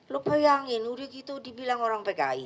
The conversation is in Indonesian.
lo bayangin udah gitu dibilang orang pki